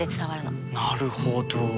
なるほど。